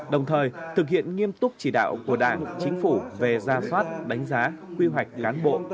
đồng thời thực hiện nghiêm túc chỉ đạo của đảng chính phủ về ra soát đánh giá quy hoạch cán bộ